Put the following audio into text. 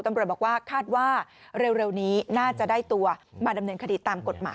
ตำรวจบอกว่าคาดว่าเร็วนี้น่าจะได้ตัวมาดำเนินคดีตามกฎหมาย